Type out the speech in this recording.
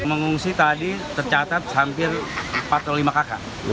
mengungsi tadi tercatat hampir empat puluh lima kakak